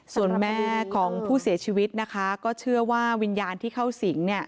ส่วนแม่ของผู้เสียชีวิตนะคะก็เชื่อว่าวิญญาณที่เข้าสิง